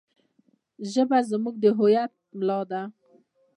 ژبه زموږ د هویت ملا ده.